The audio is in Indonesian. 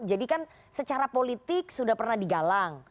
jadi kan secara politik sudah pernah digalang